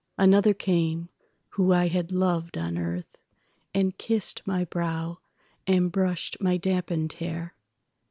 Another came whom I had loved on earth, And kissed my brow and brushed my dampened hair.